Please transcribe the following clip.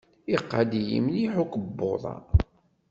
Iqadd-iyi mliḥ ukebbuḍ-a.